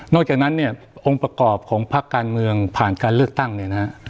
จากนั้นเนี่ยองค์ประกอบของภาคการเมืองผ่านการเลือกตั้งเนี่ยนะฮะ